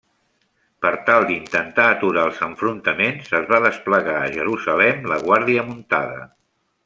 Per tal d'intentar aturar els enfrontaments, es va desplegar a Jerusalem la guàrdia muntada.